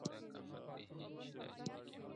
افغانستان کې د دریابونه په اړه زده کړه کېږي.